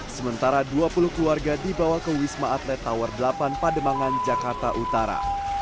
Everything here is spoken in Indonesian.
sementara dua puluh keluarga dibawa ke wisma atlet tower delapan pademangan jakarta utara